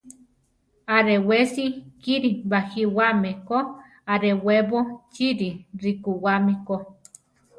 Arewesi kiri bajíwame ko; arewébo chiri rikúwami ko.